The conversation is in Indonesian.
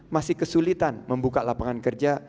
masih kesulitan membuka lapangan kerja